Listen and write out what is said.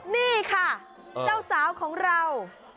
นี่ค่ะเจ้าสาวของเรา